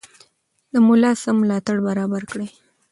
د ملا سم ملاتړ برابر کړئ.